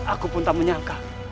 aku pun tak menyangka